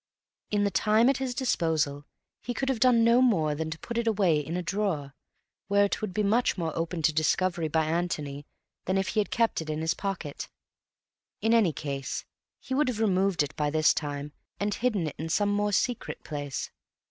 In the time at his disposal, he could have done no more than put it away in a drawer, where it would be much more open to discovery by Antony than if he had kept it in his pocket. In any case he would have removed it by this time, and hidden it in some more secret place.